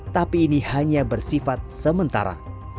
tapi ini hanya bersifat sementara